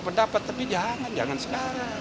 pendapat tapi jangan jangan sekarang